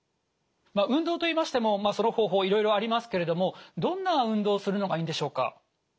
運動といいましてもその方法いろいろありますけれどもどんな運動をするのがいいんでしょうか？